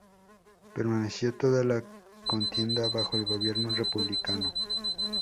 Permaneció toda la contienda bajo el gobierno republicano.